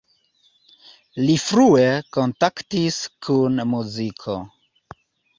Li frue kontaktis kun muziko.